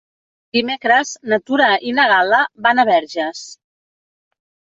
Dimecres na Tura i na Gal·la van a Verges.